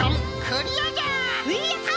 やった！